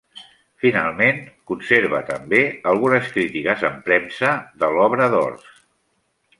Finalment, conserva també algunes crítiques en premsa de l'obra d'Ors.